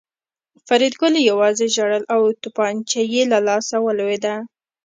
فریدګل یوازې ژړل او توپانچه یې له لاسه ولوېده